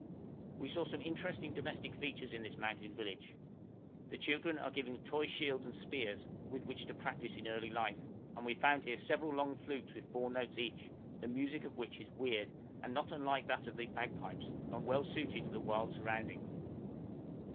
We saw some interesting domestic features in this mountain village. The children are given toy shields and spears, with which to practise in early life; and we found here several long flutes with four notes each, the music of which is weird and not unlike that of the bagpipes, and well suited to the wild surroundings.